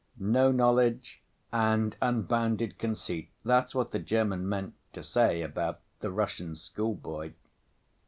No knowledge and unbounded conceit—that's what the German meant to say about the Russian schoolboy."